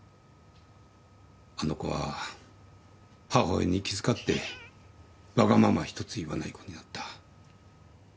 あの子は母親に気遣ってわがまま一つ言わない子になった。